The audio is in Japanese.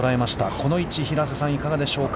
この位置、平瀬さん、いかがでしょうか。